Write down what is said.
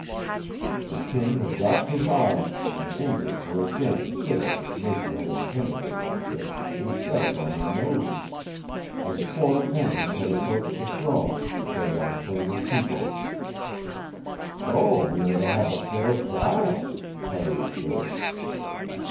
Look!" The king had dropped his arm, and the Incas were again sitting as Nature had intended they should sit, instead of on their noses. And four attendants had approached the throne, bearing a frame of quipos. "So we are to have a fair trial," Harry observed.